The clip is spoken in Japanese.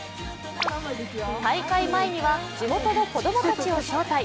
大会前には地元の子供たちを招待。